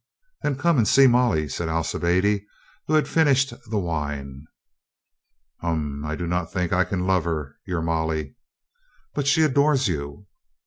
Then come and see Molly," said Alci biade, who had finished the wine. "Hum! I do not think I can love her, your Molly." "But she adores you."